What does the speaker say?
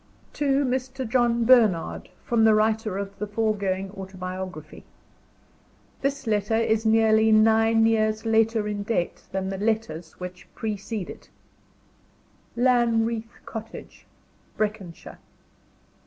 TO MR. JOHN BERNARD, FROM THE WRITER OF THE FORE GOING AUTOBIOGRAPHY. [This letter is nearly nine years later in date than the letters which precede it.] Lanreath Cottage, Breconshire.